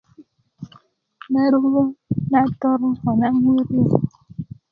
naruö nator ko namurie